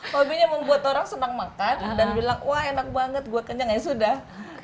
hobinya membuat orang senang makan dan bilang wah enak banget gua kenyang ya sudah